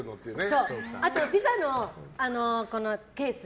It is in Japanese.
あとピザのケース。